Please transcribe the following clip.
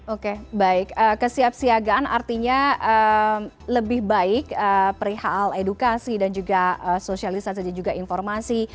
oke baik kesiapsiagaan artinya lebih baik perihal edukasi dan juga sosialisasi dan juga informasi